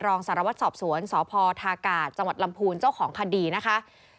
รองสารวัตรสอบสวนสพทากาศจังหวัดลำพูนเจ้าของคดีนะคะ